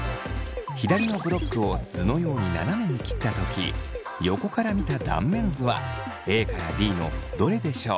左のブロックを図のように斜めに切った時横から見た断面図はＡからＤのどれでしょう？